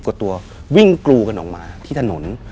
กว่าตัววิ่งกรูกันออกมาที่ถนน